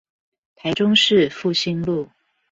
台中市復興路